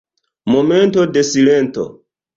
Momento de silento!